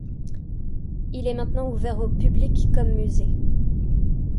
Il est maintenant ouvert au public comme musée.